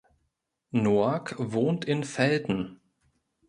Noack wohnt in Velten.